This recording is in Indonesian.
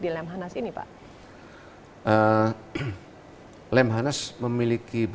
di lemhanas ini